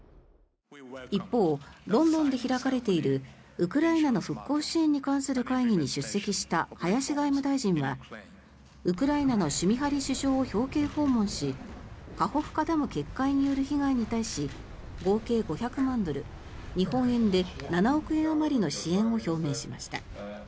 一方、ロンドンで開かれているウクライナの復興支援に関する会議に出席した林外務大臣はウクライナのシュミハリ首相を表敬訪問しカホフカダム決壊による被害に対し合計５００万ドル日本円で７億円あまりの支援を表明しました。